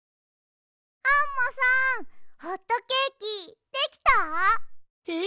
アンモさんホットケーキできた？へ？